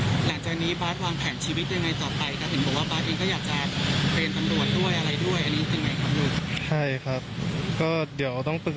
คือบาชกำลังจะบอกว่าถ้าวันนั้นบาชไม่ทำแบบนั้น